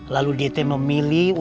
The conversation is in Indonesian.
lalu teh te memilih